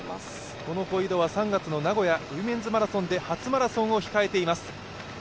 この小井戸は３月の名古屋ウィメンズマラソンで初マラソンを控えています。